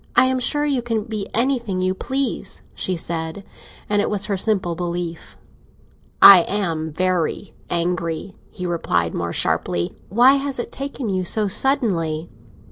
"I am sure you can be anything you please," she said. And it was her simple belief. "I am very angry," he replied, more sharply. "Why has it taken you so suddenly?"